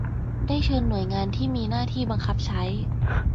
ได้เชิญหน่วยงานที่มีหน้าที่บังคับใช้